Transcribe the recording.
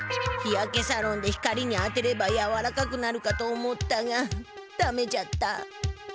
日やけサロンで光に当てればやわらかくなるかと思ったがダメじゃった。